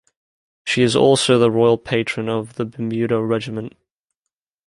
She is also the Royal Patron of the Bermuda Regiment.